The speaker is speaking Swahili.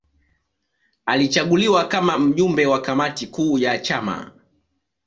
Alichaguliwa kama mjumbe wa kamati kuu ya chama